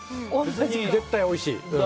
絶対おいしい。